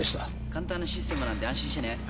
簡単なシステムなんで安心してね。